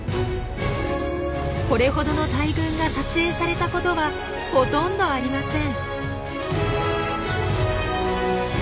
これほどの大群が撮影されたことはほとんどありません。